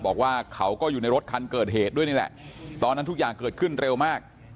บอกว่าเขาก็อยู่ในรถคันเกิดเหตุด้วยนี่แหละตอนนั้นทุกอย่างเกิดขึ้นเร็วมาก